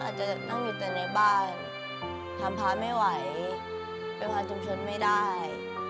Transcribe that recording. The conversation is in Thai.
จะนั่งอยู่แต่ในบ้านทำพาไม่ไหวไปพาชุมชนไม่ได้